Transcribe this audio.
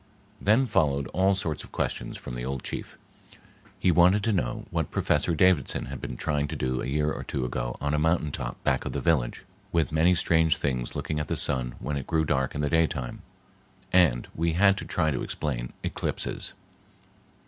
Then followed all sorts of questions from the old chief. He wanted to know what Professor Davidson had been trying to do a year or two ago on a mountain top back of the village, with many strange things looking at the sun when it grew dark in the daytime; and we had to try to explain eclipses.